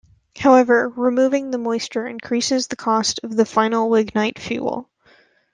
However, removing the moisture increases the cost of the final lignite fuel.